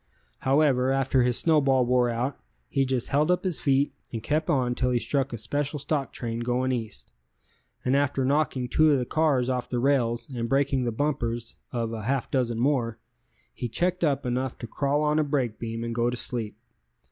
However, after his snowball wore out, he just held up his feet and kept on till he struck a special stock train going East, and after knocking two of the cars off the rails and breaking the bumpers of a half dozen more, he checked up enough to crawl on a brake beam and go to sleep.